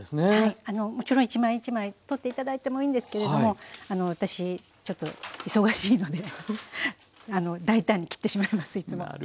はいあのもちろん一枚一枚取って頂いてもいいんですけれどもあの私ちょっと忙しいので大胆に切ってしまいますいつも。